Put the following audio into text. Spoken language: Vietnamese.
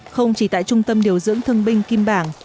không chỉ tại trung tâm điều dưỡng thương binh kim bảng